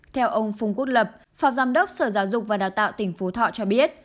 theo ông phung quốc lập phòng giám đốc sở giáo dục và đào tạo tỉnh phú thọ cho biết